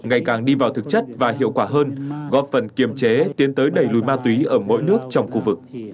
ngày càng đi vào thực chất và hiệu quả hơn góp phần kiềm chế tiến tới đẩy lùi ma túy ở mỗi nước trong khu vực